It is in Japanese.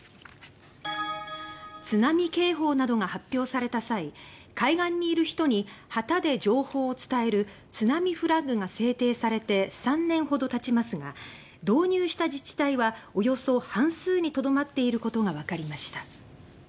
津波警報などが発表された際海岸にいる人に旗で情報を伝える津波フラッグが制定されて３年ほどたちますが導入した自治体はおよそ半数に留まっていることがわかりました。